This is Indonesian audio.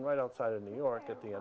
di luar new york pada akhir bulan